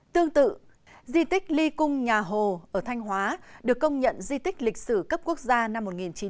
tương tự di tích ly cung nhà hồ ở thanh hóa được công nhận di tích lịch sử cấp quốc gia năm một nghìn chín trăm bảy mươi